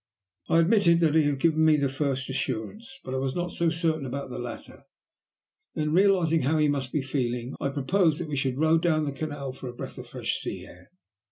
I admitted that he had given me the first assurance, but I was not quite so certain about the latter. Then, realizing how he must be feeling, I proposed that we should row down the canal for a breath of fresh sea air.